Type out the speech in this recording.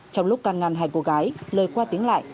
trong lúc can ngăn hai cô gái lời qua tiếng lại